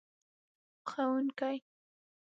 پخوونکی